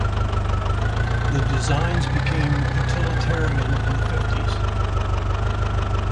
The designs became utilitarian in the fifties.